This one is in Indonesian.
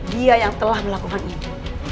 dia yang telah melakukan itu